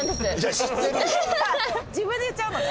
自分で言っちゃうのね。